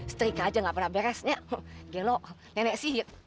striker aja gak pernah beres gelok nenek sihir